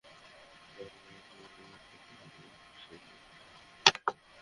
তারা মার্টিন মেক্রের লাশ খুঁজে পেয়েছে।